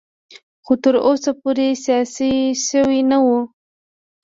خو تر اوسه پورې سیاسي شوی نه و.